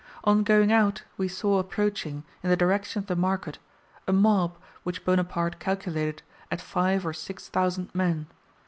On going out we saw approaching, in the direction of the market, a mob, which Bonaparte calculated at five or six thousand men.